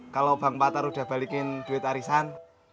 kalau bang patar udah balikin duit arisan